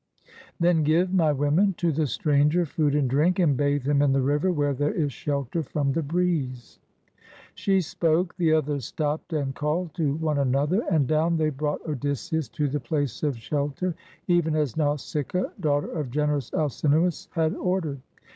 Then give, my women, to the stranger food and drink, and bathe him in the river where there is shelter from the breeze." 29 GREECE She spoke; the others stopped and called to one an other, and down they brought Odysseus to the place of shelter, even as Nausicaa, daughter of generous Alcin oiis, had ordered.